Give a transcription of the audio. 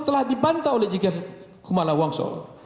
telah dibantah oleh jigel kumala wangso